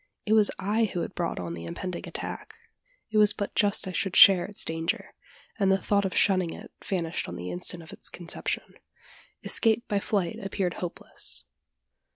It was I who had brought on the impending attack. It was but just I should share its danger; and the thought of shunning it vanished on the instant of its conception. Escape by flight appeared hopeless.